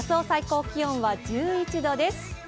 最高気温は１１度です。